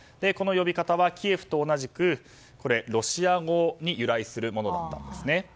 この呼び方は、キエフと同じくロシア語に由来するものなんです。